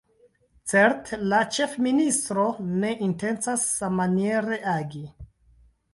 Certe la ĉefministro ne intencas sammaniere agi.